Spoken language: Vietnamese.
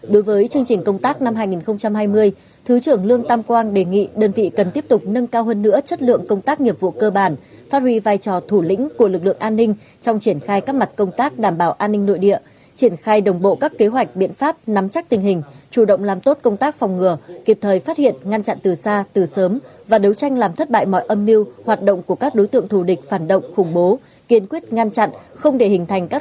đối với chương trình công tác năm hai nghìn hai mươi thứ trưởng lương tam quang đề nghị đơn vị cần tiếp tục nâng cao hơn nữa chất lượng công tác nghiệp vụ cơ bản phát huy vai trò thủ lĩnh của lực lượng an ninh trong triển khai các mặt công tác đảm bảo an ninh nội địa triển khai đồng bộ các kế hoạch biện pháp nắm chắc tình hình chủ động làm tốt công tác phòng ngừa kịp thời phát hiện ngăn chặn từ xa từ sớm và đấu tranh làm thất bại mọi âm mưu hoạt động của các đối tượng thù địch phản động khủng bố kiên quyết ngăn chặn không để hình thành các